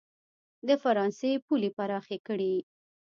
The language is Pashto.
د فرانسې پولې پراخې کړي.